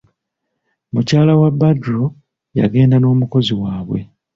Mukyala wa Badru yagenda n'omukozi waabwe.